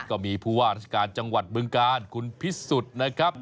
ก็มีผู้ว่าราชการจังหวัดบึงกาลคุณพิสุทธิ์นะครับ